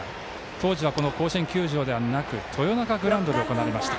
当時は甲子園球場ではなく豊中グラウンドで行われました。